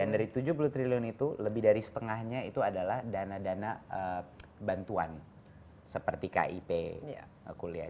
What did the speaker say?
dan dari tujuh puluh triliun itu lebih dari setengahnya itu adalah dana dana bantuan seperti kip kuliah